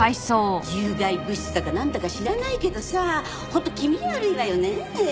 有害物質だかなんだか知らないけどさ本当気味悪いわよねえ。